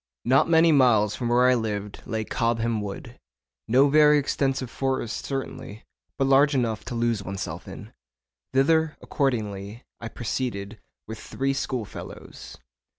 Not many miles from where I lived lay Cobham Wood, no very extensive forest certainly, but large enough to lose oneself in. Thither, accordingly, I proceeded with three schoolfellows.